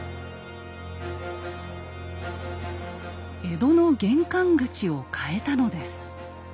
江戸の玄関口を変えたのです。